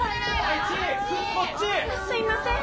すいません。